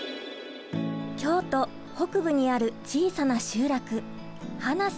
京都北部にある小さな集落花脊。